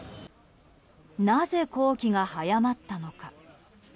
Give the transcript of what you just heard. なぜ工期が早まったのか。